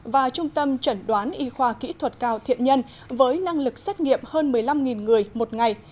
và trung tâm chẩn đoán y khoa kỹ thuật cao thiện nhân với năng lực xét nghiệm hơn một mươi năm người một ngày